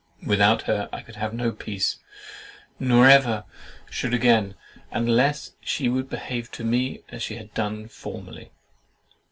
Without her I could have no peace, nor ever should again, unless she would behave to me as she had done formerly.